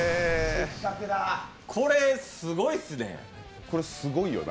これ、すごいっすね。